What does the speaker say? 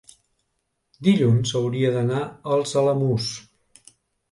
dilluns hauria d'anar als Alamús.